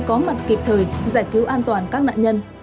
có mặt kịp thời giải cứu an toàn các nạn nhân